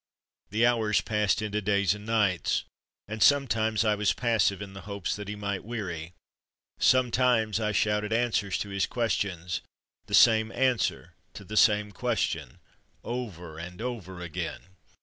The hours passed into days and nights, and sometimes I was passive in the hope that he might weary, sometimes I shouted answers to his questions the same answer to the same question over and over again.